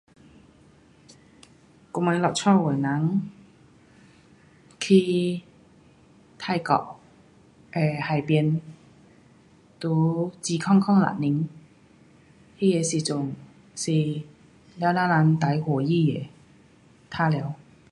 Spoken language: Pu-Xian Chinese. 我们那家的人去泰国的海边，在2006年，那个时候是全部人最欢喜的。玩耍。